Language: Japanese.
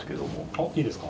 あっいいですか？